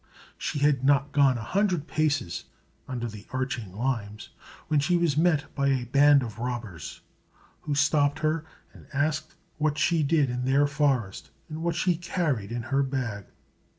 She had not gone a hundred paces under the arching limes, when she was met by a band of robbers, who stopped her and asked what she did in their forest, and what she carried in her bag.